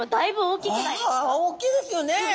大きいですよね。